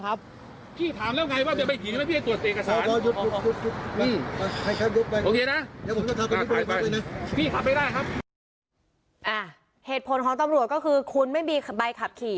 เหตุผลของตำรวจก็คือคุณไม่มีใบขับขี่